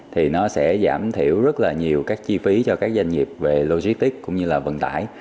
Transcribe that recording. thì nó sẽ giảm thiểu rất là nhiều các chi phí cho các doanh nghiệp về logistics cũng như là vận tải